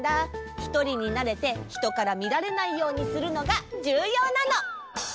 ひとりになれてひとからみられないようにするのがじゅうようなの！